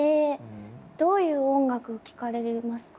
どういう音楽聴かれますか？